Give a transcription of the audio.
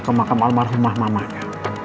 ke makam almarhumah mamanya